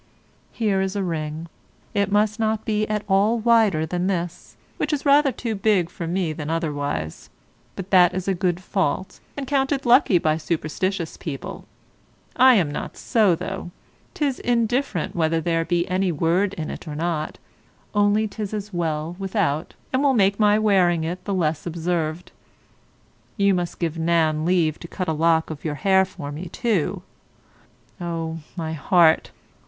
Here is a ring: it must not be at all wider than this, which is rather too big for me than otherwise; but that is a good fault, and counted lucky by superstitious people. I am not so, though: 'tis indifferent whether there be any word in't or not; only 'tis as well without, and will make my wearing it the less observed. You must give Nan leave to cut a lock of your hair for me, too. Oh, my heart!